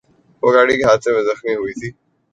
وہ گاڑی کے حادثے میں زخمی ہوئی تھی